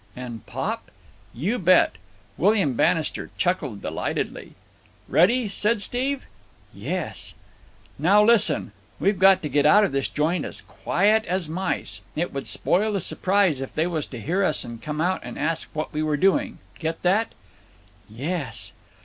"And pop?" "You bet!" William Bannister chuckled delightedly. "Ready?" said Steve. "Yes." "Now listen. We've got to get out of this joint as quiet as mice. It would spoil the surprise if they was to hear us and come out and ask what we were doing. Get that?" "Yes."